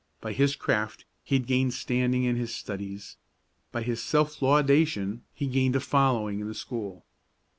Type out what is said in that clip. By his craft he had gained standing in his studies; by his self laudation he had gained a following in the school.